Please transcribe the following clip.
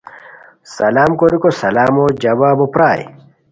سلام کوریکو سلامو جوابو پرائے